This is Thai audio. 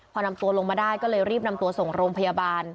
พอนำตัวลงมาได้ก็เลยรีบนำตัวส่งโรงพยาบาล